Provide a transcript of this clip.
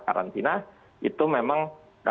karantina itu memang